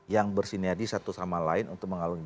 yang bersini sini satu sama lain untuk mengarungi